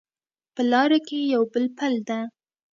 په لاره کې یو پل ده